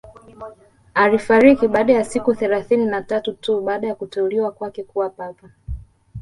Alifariki baada ya siku thelathini na tatu tu baada ya kuteuliwa kwake kuwa papa